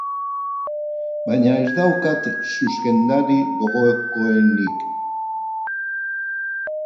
Baina ez daukat zuzendari gogokoenik.